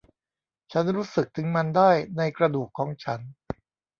ฉันรู้สึกถึงมันได้ในกระดูกของฉัน